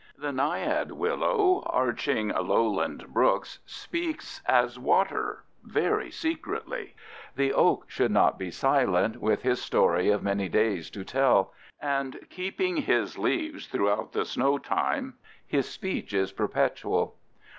The naiad willow, arching lowland brooks, speaks as water, very secretly. The oak could not be silent, with his story of many days to tell, and keeping his leaves throughout the snow time, his speech is perpetual.